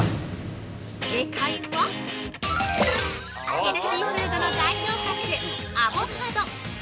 ◆正解はヘルシーフードの代表格「アボカド」